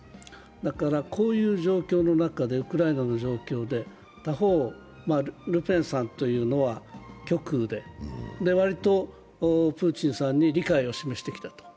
だからこういう状況の中でウクライナの状況で、他方、ルペンさんというのは極右で、割とプーチンさんに理解を示してきたと。